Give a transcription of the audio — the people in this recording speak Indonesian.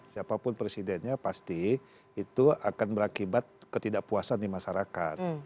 siapapun presidennya pasti itu akan berakibat ketidakpuasan di masyarakat